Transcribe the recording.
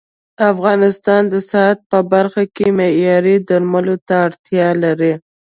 افغانستان د صحت په برخه کې معياري درملو ته اړتيا لري